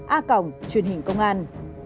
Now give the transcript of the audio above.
a cồng truyện hình công an